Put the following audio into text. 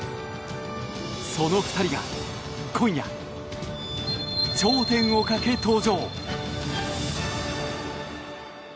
その２人が今夜頂点をかけ、登場。